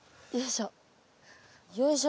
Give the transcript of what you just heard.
よいしょ。